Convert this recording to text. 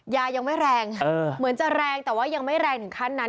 ยายังไม่แรงเหมือนจะแรงแต่ว่ายังไม่แรงถึงขั้นนั้น